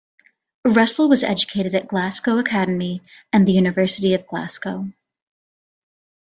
Russell was educated at Glasgow Academy and the University of Glasgow.